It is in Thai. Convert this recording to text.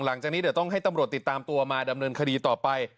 หลังจากนี้เดี๋ยวต้องให้ตำรวจติดตามตัวมาดำเนินคดีต่อไป